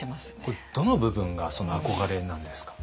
これどの部分が憧れなんですか？